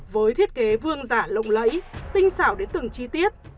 với thiết kế vương giả lộng lẫy tinh xảo đến từng chi tiết